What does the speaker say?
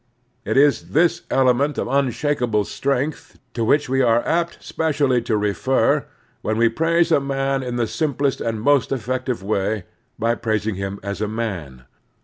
It is this element of imshakable strength to which we are apt specially to refer when we praise a man in the simplest and most effective way, by praising him as a man.